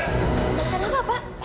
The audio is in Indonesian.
tidak ada apa pak